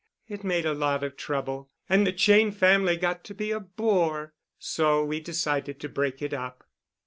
It made a lot of trouble, and the Cheyne family got to be a bore—so we decided to break it up."